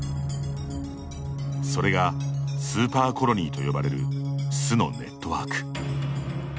それがスーパーコロニーと呼ばれる巣のネットワーク。